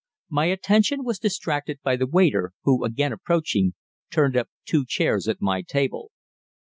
My attention was distracted by the waiter, who, again approaching, turned up two chairs at my table.